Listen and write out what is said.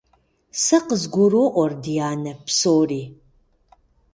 Сэ къызгуроӀуэр, дянэ, псори.